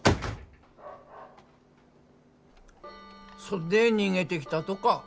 そっで逃げてきたとか。